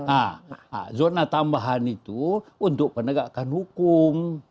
nah zona tambahan itu untuk penegakan hukum